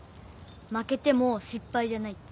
「負けても失敗じゃない」って。